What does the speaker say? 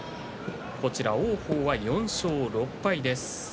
王鵬は４勝６敗です。